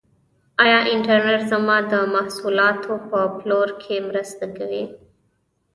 آیا انټرنیټ زما د محصولاتو په پلور کې مرسته کوي؟